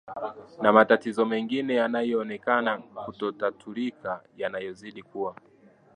na matatizo mengine yanayoonekana kutotatulika yanayozidi kuwa